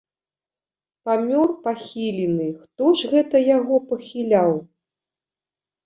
Памёр, пахілены, хто ж гэта яго пахіляў?